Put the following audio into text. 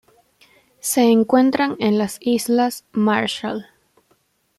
Se encuentran en las Islas Marshall.